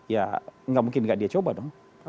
ya enggak mungkin enggak dia coba dong